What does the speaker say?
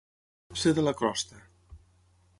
Ser de la crosta.